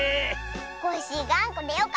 コッシーがんこでよかったね。